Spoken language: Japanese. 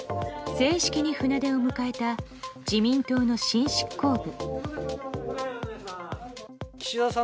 正式に船出を迎えた自民党の新執行部。